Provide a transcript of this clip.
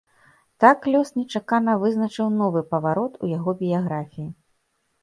Так лёс нечакана вызначыў новы паварот у яго біяграфіі.